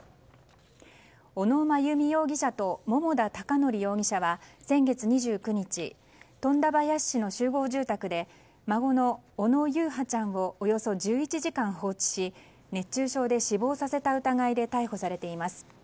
小野真由美容疑者と桃田貴徳容疑者は先月２９日富田林市の集合住宅で孫の小野優陽ちゃんをおよそ１１時間放置し熱中症で死亡させた疑いで逮捕されています。